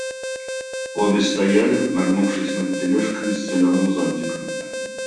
Обе стояли, нагнувшись над тележкой с зеленым зонтиком.